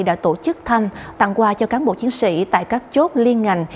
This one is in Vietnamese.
đã tổ chức thăm tặng quà cho cán bộ chiến sĩ tại các chốt liên ngành